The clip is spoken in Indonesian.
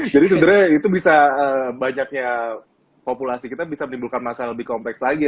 jadi sebenarnya itu bisa banyaknya populasi kita bisa menimbulkan masalah lebih kompleks lagi